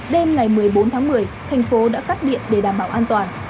đêm ngày một mươi bốn tháng một mươi thành phố đã cắt điện để đảm bảo an toàn